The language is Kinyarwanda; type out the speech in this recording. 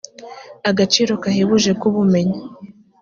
agaciro gahebuje k ubumenyi